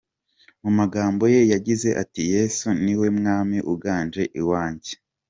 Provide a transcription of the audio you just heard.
Mu magambo ye yagize ati; “yesu ni we mwami uganje iwanjye”.